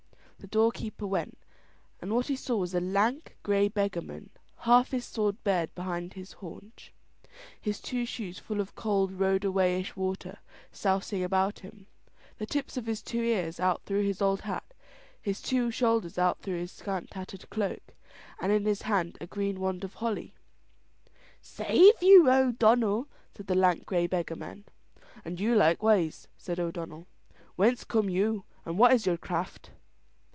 The doorkeeper went, and what he saw was a lank, grey beggarman; half his sword bared behind his haunch, his two shoes full of cold road a wayish water sousing about him, the tips of his two ears out through his old hat, his two shoulders out through his scant tattered cloak, and in his hand a green wand of holly. "Save you, O'Donnell," said the lank grey beggarman. "And you likewise," said O'Donnell. "Whence come you, and what is your craft?"